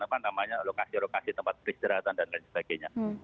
apa namanya lokasi lokasi tempat peristirahatan dan lain sebagainya